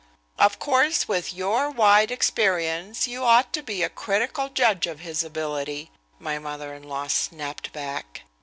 "Of course, with your wide experience, you ought to be a critical judge of his ability," my mother in law snapped back.